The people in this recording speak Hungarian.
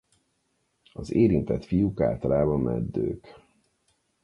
Az érintett fiúk általában meddők.